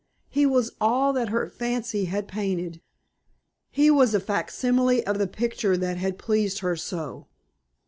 He was all that her fancy had painted; he was a facsimile of the picture that had pleased her so.